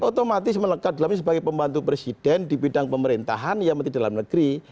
otomatis melekat dalamnya sebagai pembantu presiden di bidang pemerintahan ya menteri dalam negeri